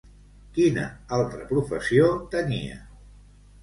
Quina altra professió tenia?